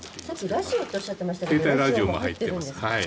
ラジオっておっしゃいましたけどラジオも入ってるんですか。